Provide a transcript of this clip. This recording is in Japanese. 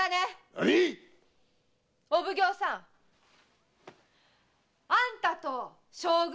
なに⁉お奉行さんあんたと将軍